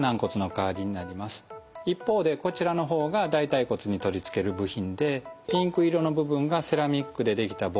一方でこちらの方が大腿骨に取り付ける部品でピンク色の部分がセラミックで出来たボール。